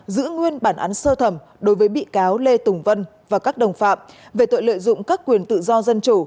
giữ nguyên bản án sơ thẩm đối với bị cáo lê tùng vân và các đồng phạm về tội lợi dụng các quyền tự do dân chủ